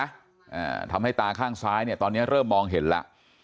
มีโรงพยาบาลด้วยนะทำให้ตาข้างซ้ายเนี่ยตอนนี้เริ่มมองเห็นแล้ว